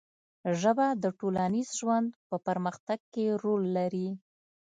ژبه د ټولنیز ژوند په پرمختګ کې رول لري